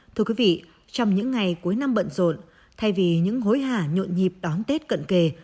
thưa quý vị trong những ngày cuối năm bận rộn thay vì những hối hà nhộn nhịp đón tết cận kề